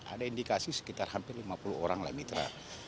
ada indikasi sekitar hampir lima puluh orang lah mitra